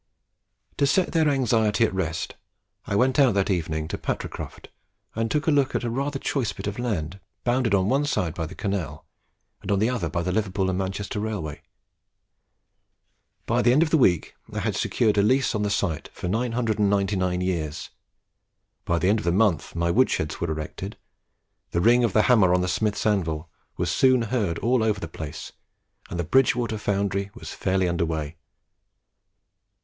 To set their anxiety at rest, I went out that evening to Patricroft and took a look at a rather choice bit of land bounded on one side by the canal, and on the other by the Liverpool and Manchester Railway. By the end of the week I had secured a lease of the site for 999 years; by the end of the month my wood sheds were erected; the ring of the hammer on the smith's anvil was soon heard all over the place; and the Bridgewater Foundry was fairly under way.